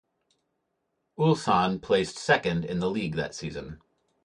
Ulsan placed second in the league that season.